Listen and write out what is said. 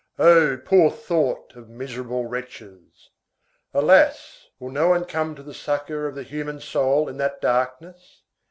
Oh, poor thought of miserable wretches! Alas! will no one come to the succor of the human soul in that darkness?